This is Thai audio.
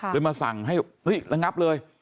เลยมาสั่งให้เอ้ยระงับเลย